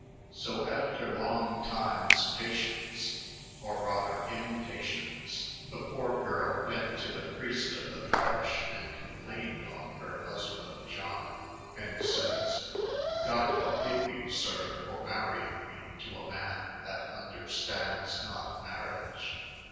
so efter long times patience, or rather Impatience, the poor girle vent to the preist of the parosh, & compleaned on her housband John, and sayea, " god for give yow. Sir, for marieing me to a man that understands not mariadge